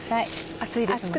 熱いですんもんね。